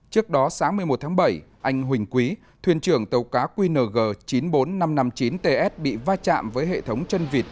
trước đó sáng một mươi một tháng bảy anh huỳnh quý thuyền trưởng tàu cá qng chín mươi bốn nghìn năm trăm năm mươi chín ts bị vai trạm với hệ thống chân vịt